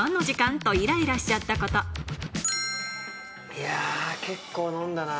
いや結構飲んだな。